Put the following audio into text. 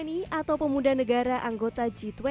y dua puluh atau pemuda negara anggota g dua puluh